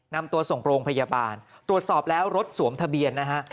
นำตัวส่งโรงพยาบาลตรวจสอบแล้วรถสวมทะเบียนนะฮะ